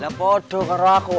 ya bodoh keraku